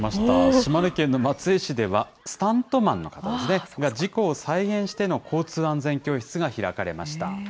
島根県の松江市では、スタントマンの方ですね、が事故を再現しての交通安全教室が開かれました。